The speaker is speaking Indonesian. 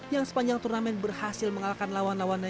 yang sepanjang turnamen berhasil mengalahkan lawan lawannya